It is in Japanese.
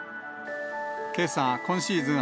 けさ、今シーズン